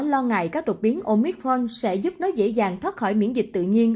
lo ngại các đột biến omicron sẽ giúp nó dễ dàng thoát khỏi miễn dịch tự nhiên